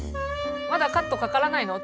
「まだカットかからないの？」